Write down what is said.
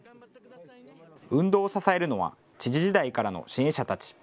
運動を支えるのは、知事時代からの支援者たち。